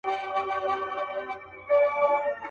د مرګي لورته مو تله دي په نصیب کي مو ګرداب دی.